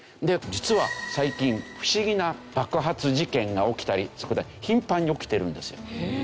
実は最近不思議な爆発事件が起きたりそこで頻繁に起きてるんですよ。